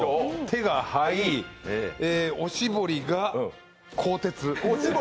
手が灰、おしぼりが鋼鉄。